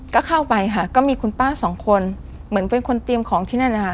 ก็เข้าไปค่ะก็มีคุณป้าสองคนเหมือนเป็นคนเตรียมของที่นั่นนะคะ